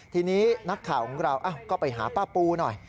ทีนี้นักข่าวของเราก็ไปหาป้าปูหน่อย